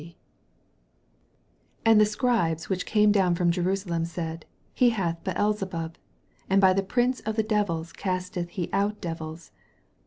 22 And the Scribes which came down from Jerusalem said, He hath Beelzebub, and by the prince of the devils casteth he out devils.